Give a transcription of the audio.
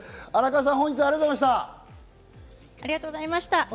荒川さん、ありがとうございました。